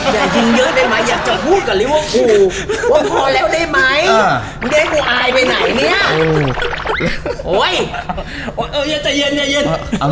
อย่ายิงเยอะได้ไหมอยากจะพูดกันเลยว่ากูว่าพอแล้วได้ไหม